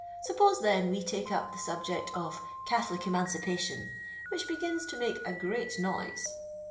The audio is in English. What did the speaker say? Suppose, then, we take up the subject of Catholic Emancipation, which begins to make a great noise.